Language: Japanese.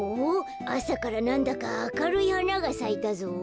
あさからなんだかあかるいはながさいたぞ。